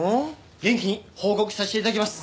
元気に報告させて頂きます！